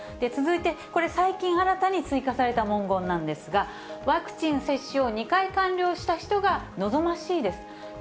続いて、これ、最近新たに追加された文言なんですが、ワクチン接種を２回完了した人が望ましいです。